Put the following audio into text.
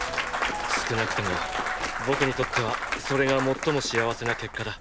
少なくとも僕にとってはそれが最も幸せな結果だ。